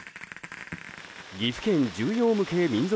岐阜県重要無形民俗